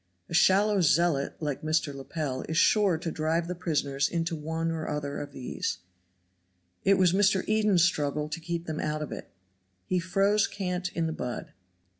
A shallow zealot like Mr. Lepel is sure to drive the prisoners into one or other of these. It was Mr. Eden's struggle to keep them out of it. He froze cant in the bud.